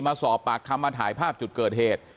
มาสอบปากคำมาถ่ายภาพจุดเกิดเหตุ